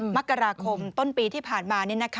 มกราคมต้นปีที่ผ่านมา